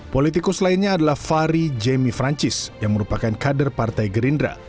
politikus lainnya adalah fahri jemi francis yang merupakan kader partai gerindra